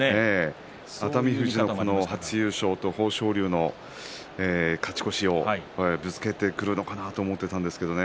熱海富士の初優勝と豊昇龍の勝ち越しをぶつけてくるのかなと思っていたんですけどね。